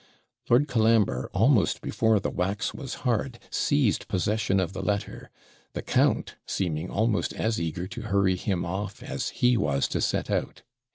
Lord Colambre, almost before the wax was hard, seized possession of the letter; the count seeming almost as eager to hurry him off as he was to set out.